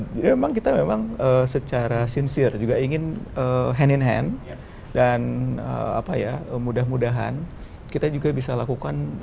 jadi memang kita memang secara sincere juga ingin hand in hand dan mudah mudahan kita juga bisa lakukan